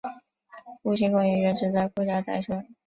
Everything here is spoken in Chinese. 复兴公园原址为顾家宅村。